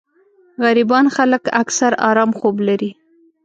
غريبان خلک اکثر ارام خوب لري